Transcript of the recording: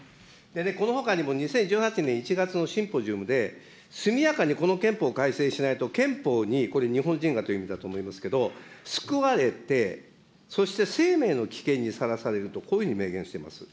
このほかにも、２０１８年１月のシンポジウムで、速やかに、この憲法を改正しないと、憲法に、これ、日本人がという意味だと思いますけれども、すくわれて、そして生命の危険にさらされると、こういうふうに明言してます。